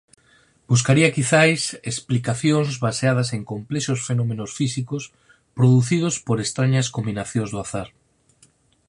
Buscaría, quizais, explicacións baseadas en complexos fenómenos físicos producidos por estrañas combinacións do azar.